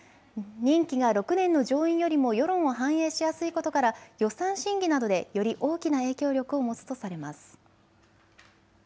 任期が６年の上院よりも世論を反映しやすいことから予算審議などでより大きな影響力を持つとされます。